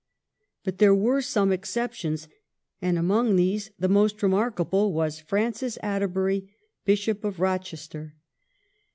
But there were some exceptions, and among these the most remarkable was Francis Atterbury, Bishop of Eochester.